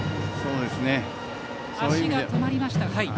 足が止まりました。